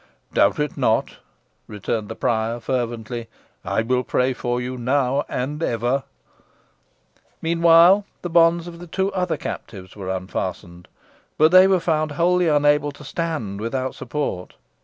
"Doubt it not," returned the prior, fervently. "I will pray for you now and ever." Meanwhile, the bonds of the two other captives were unfastened, but they were found wholly unable to stand without support.